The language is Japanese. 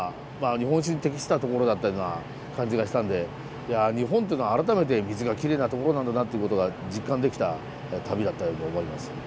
日本酒に適した所だったような感じがしたんで日本というのは改めて水がきれいな所なんだなっていうことが実感できた旅だったように思います。